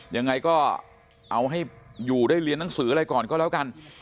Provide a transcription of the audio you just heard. ยังไงก็เอาให้อยู่ได้เรียนหนังสืออะไรก่อนก็แล้วกัน